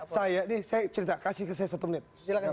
saya kasih ke saya satu menit